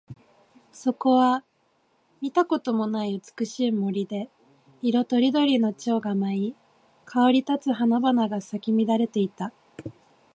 そこは見たこともない美しい森で、色とりどりの蝶が舞い、香り立つ花々が咲き乱れていた。